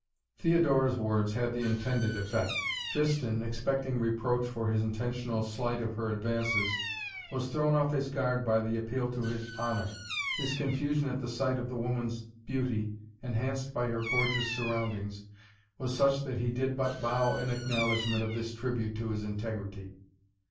Theodora's words had the intended effect. Tristan, expecting reproach for his intentional slight of her advances, was thrown off his guard by the appeal to his honor. His confusion at the sight of the woman's beauty, enhanced by her gorgeous surroundings, was such that he did but bow in acknowledgment of this tribute to his integrity.